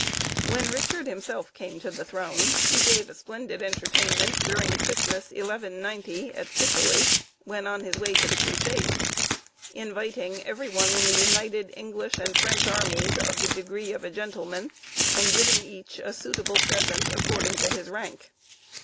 When Richard himself came to the throne, he gave a splendid entertainment during Christmas, 1190, at Sicily, when on his way to the Crusades, inviting every one in the united English and French armies of the degree of a gentleman, and giving each a suitable present, according to his rank.